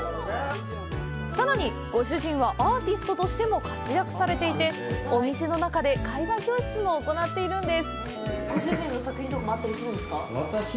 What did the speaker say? さらに、ご主人はアーティストとしても活躍していてお店の中で絵画教室も行っているんです。